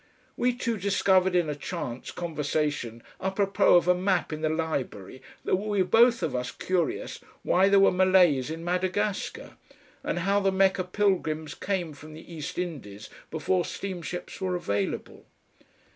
We two discovered in a chance conversation A PROPOS of a map in the library that we were both of us curious why there were Malays in Madagascar, and how the Mecca pilgrims came from the East Indies before steamships were available.